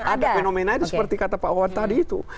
memang ada fenomena seperti kata pak wanda tadi itu